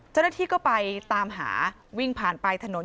เจ้าหน้าที่ก็ไปตามหาวิ่งผ่านไปถนน